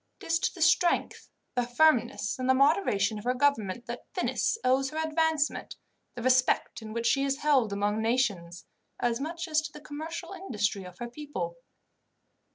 It is to the strength, the firmness, and the moderation of her government that Venice owes her advancement, the respect in which she is held among nations, as much as to the commercial industry of her people.